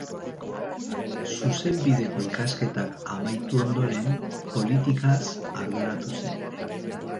Zuzenbideko ikasketak amaitu ondoren, politikaz arduratu zen.